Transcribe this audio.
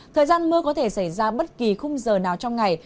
thời gian mưa có thể xảy ra bất kỳ khung giờ nào trong ngày